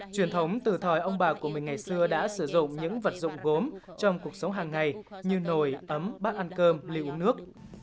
trong cuộc sống từ thời ông bà của mình ngày xưa đã sử dụng những vật dụng gốm trong cuộc sống hàng ngày như nồi ấm bát ăn cơm lưu uống nước